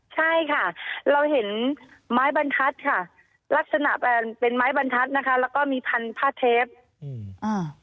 ใช่ค่ะเราเห็นไม้บรรทัศน์ค่ะลักษณะเป็นไม้บรรทัศน์นะคะแล้วก็มีพันผ้าเทปอืมอ่า